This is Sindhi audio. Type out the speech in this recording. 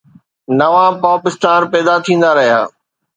نوان پاپ اسٽار پيدا ٿيندا رهيا.